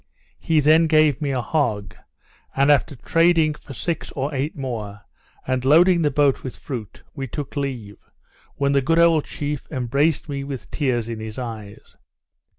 He then gave me a hog; and, after trading for six or eight more, and loading the boat with fruit, we took leave, when the good old chief embraced me with tears in his eyes.